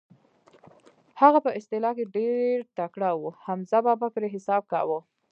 هغه په اصلاح کې ډېر تکړه و، حمزه بابا پرې حساب کاوه.